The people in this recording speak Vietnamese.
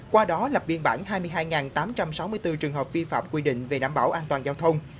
qua đó lập biên bản hai mươi hai tám trăm sáu mươi bốn trường hợp vi phạm quy định về đảm bảo an toàn giao thông